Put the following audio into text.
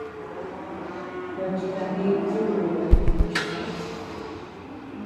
Tochi kane yuudum ñeʼe.